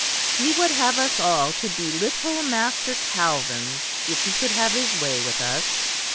He would have us all to be little Master Calvins, if he could have his way with us.